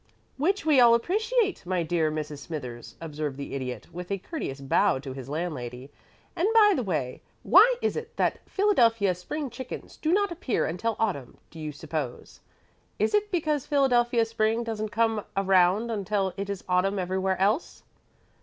"Which we all appreciate, my dear Mrs. Smithers," observed the Idiot, with a courteous bow to his landlady. "And, by the way, why is it that Philadelphia spring chickens do not appear until autumn, do you suppose? Is it because Philadelphia spring doesn't come around until it is autumn everywhere else?"